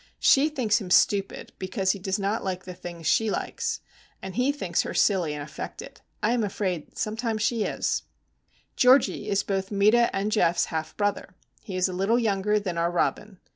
She thinks him stupid because he does not like the things she likes, and he thinks her silly and affected. I am afraid she sometimes is. Georgie is both Meta and Geof's half brother. He is a little younger than our Robin.